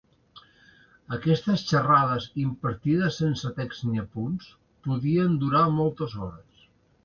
Aquestes xerrades, impartides sense text ni apunts, podien durar moltes hores.